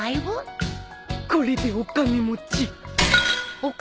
これでお金持ち。